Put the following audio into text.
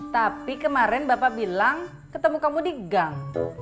tapi kemarin bapak bilang ketemu kamu di gang